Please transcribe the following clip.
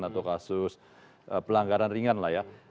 atau kasus pelanggaran ringan lah ya